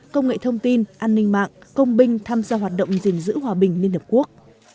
công nghệ thông tin an ninh mạng công binh tham gia hoạt động gìn giữ hòa bình liên hợp quốc